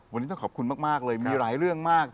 วันนี้ต้องขอบคุณมากเลยมีหลายเรื่องมาก